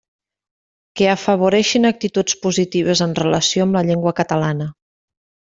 Que afavoreixin actituds positives en relació amb la llengua catalana.